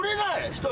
１人。